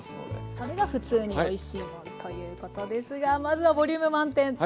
それが「ふつうにおいしいもん」ということですがまずはボリューム満点丼のつくり方から。